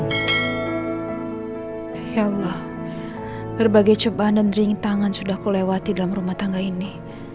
ya allah berbagai cobaan dan ring tangan sudah ku lewati dalam rumah tangga ini